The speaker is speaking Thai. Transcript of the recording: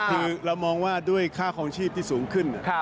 คือเรามองว่าด้วยค่าคลองชีพที่สูงขึ้น